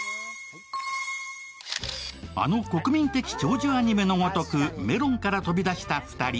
あの国民的長寿アニメのごとくメロンから飛び出した２人。